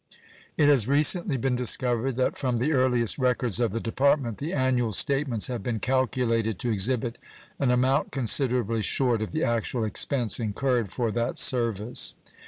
It has recently been discovered that from the earliest records of the Department the annual statements have been calculated to exhibit an amount considerably short of the actual expense incurred for that service.